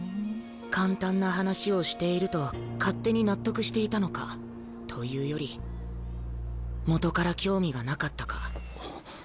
簡単な話をしていると勝手に納得していたのかというよりもとから興味がなかったか。